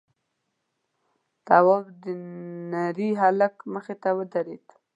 تواب د نري هلک مخې ته ودرېد: